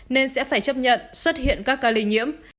nên sẽ phải chấp nhận xuất hiện các ca lây nhiễm